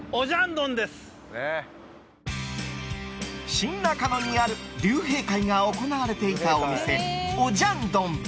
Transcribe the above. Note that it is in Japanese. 新中野にある竜兵会が行われていたお店オジャンドン。